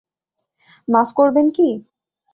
মাফ করবেন, - কি?